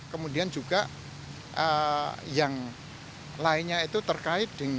kemudian juga yang lainnya itu terkait dengan